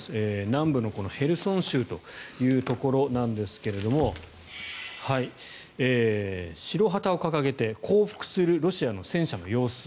南部のヘルソン州というところなんですが白旗を掲げて降伏するロシアの戦車の様子